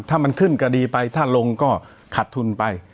ถ้ามันขึ้นกดีไปถ้าลงก็ขัดทุนไป